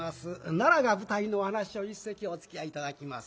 奈良が舞台のお噺を一席おつきあい頂きます。